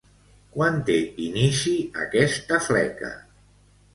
Quan té inici aquesta fleca?